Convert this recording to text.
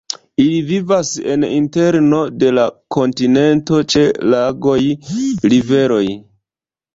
Ili vivas en interno de la kontinento ĉe lagoj, riveroj.